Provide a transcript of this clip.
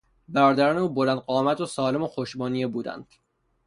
برادران او بلند قامت و سالم و خوش بنیه بودند.